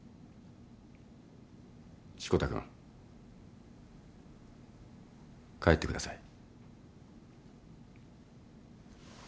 志子田君帰ってください。